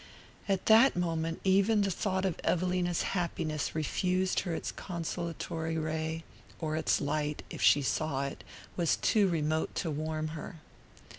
At that moment even the thought of Evelina's happiness refused her its consolatory ray; or its light, if she saw it, was too remote to warm her.